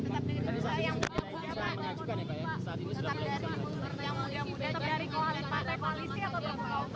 tetap dari kualisi atau terbuka untuk kualisi